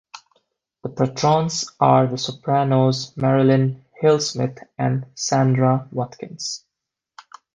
The patrons are the sopranos Marilyn Hill-Smith and Sandra Watkins.